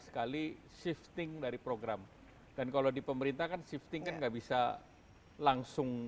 sekali shifting dari program dan kalau di pemerintah kan shifting kan nggak bisa langsung